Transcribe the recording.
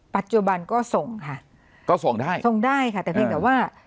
ปัจจุบันก็ส่งค่ะก็ส่งได้ส่งได้ค่ะแต่เพียงแต่ว่า